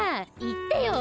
言ってよ。